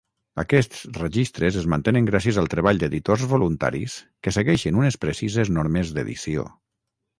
Aquests registres es mantenen gràcies al treball d'editors voluntaris que segueixen unes precises normes d'edició.